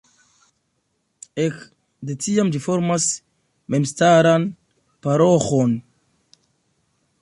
Ek de tiam ĝi formas memstaran paroĥon.